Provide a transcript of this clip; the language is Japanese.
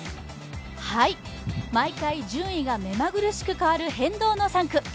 毎回順位がめまぐるしく変わる変動の３区。